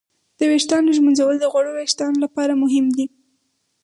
د ویښتانو ږمنځول د غوړو وېښتانو لپاره مهم دي.